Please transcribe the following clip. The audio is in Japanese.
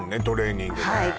トレーニングね